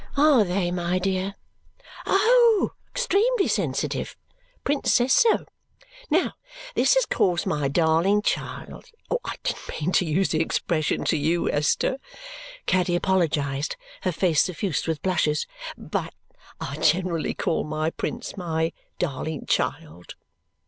"Are they, my dear?" "Oh, extremely sensitive. Prince says so. Now, this has caused my darling child I didn't mean to use the expression to you, Esther," Caddy apologized, her face suffused with blushes, "but I generally call Prince my darling child."